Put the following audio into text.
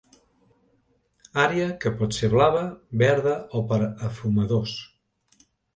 Àrea que pot ser blava, verda o per a fumadors.